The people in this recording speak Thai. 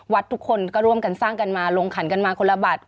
ทุกคนก็ร่วมกันสร้างกันมาลงขันกันมาคนละบัตร